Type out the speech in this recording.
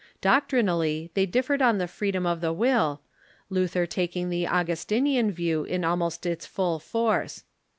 Doctrinally, they differed on the freedom of the will, Luther taking the Augustinian view in almost its full force.